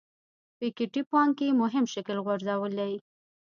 پيکيټي پانګې مهم شکل غورځولی.